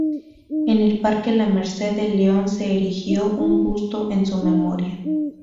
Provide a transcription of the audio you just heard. En el Parque La Merced de León se erigió un busto en su memoria.